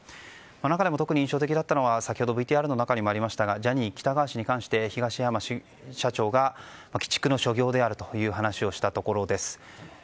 中でも特に印象的だったのは先ほどのＶＴＲの中にもありましたがジャニー喜多川氏に関して東山新社長が鬼畜の所業であるという話をしたところです。